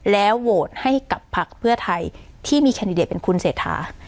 แล้วโหวตให้กับพักเพื่อไทยที่มีแคนดิเดตเป็นคุณเศรษฐา